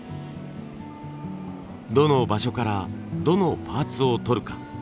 どの場所からどのパーツを取るか。